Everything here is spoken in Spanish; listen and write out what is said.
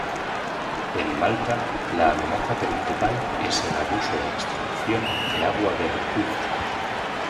En Malta, la amenaza principal es el abuso de extracción de agua de acuíferos.